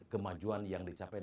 kemajuan yang dicapai